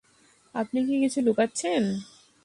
আপনি কী কিছু লুকাচ্ছেন?